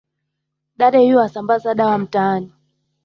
Dade yuasambaza dawa mitaani